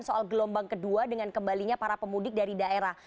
soal gelombang kedua dengan kembalinya para pemudik dari daerah